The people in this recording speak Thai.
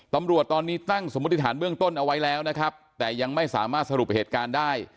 ตำรวจตอนนี้ตั้งสมมุติฐานเบื้องต้นเอาไว้แล้วนะครับแต่ยังไม่สามารถสรุปเหตุการณ์ได้